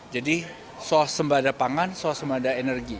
jadi soal sembah ada pangan soal sembah ada energi